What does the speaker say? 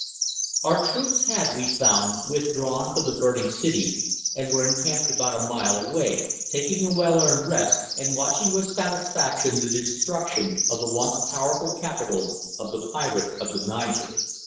OUR troops had, we found, withdrawn from the burning city and were encamped about a mile away, taking a well earned rest, and watching with satisfaction the destruction of the once powerful capital of the "Pirate of the Niger."